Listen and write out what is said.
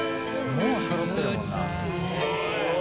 もうそろってるもんな